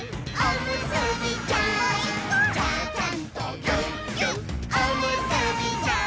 「ちゃちゃんとぎゅっぎゅっおむすびちゃん」